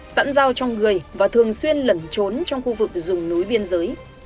sẵn giao trong người và thường xuyên lẩn trốn trong khu vực dùng núi biên giới